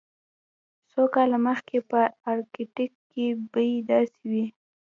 څو کاله مخکې په ارکټیک کې بیې داسې وې